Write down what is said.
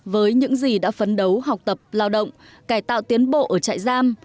với những gì đã phấn đấu học tập lao động cải tạo tiến bộ ở trại giam